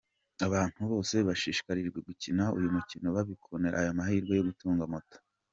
Abantu bose bashishikarijwe gukina uyu mukino bakibonera aya mahirwe yo gutunga moto.